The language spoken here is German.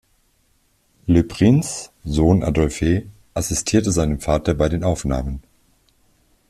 Le Princes Sohn Adolphe assistierte seinem Vater bei den Aufnahmen.